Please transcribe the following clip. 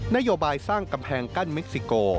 นโยบายสร้างกำแพงกั้นเม็กซิโก